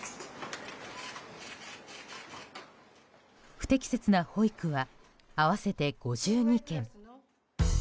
不適切な保育は合わせて５２件。